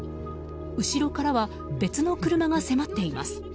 後ろからは別の車が迫っています。